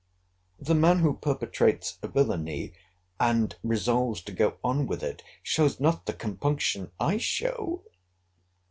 The man who perpetrates a villany, and resolves to go on with it, shows not the compunction I show.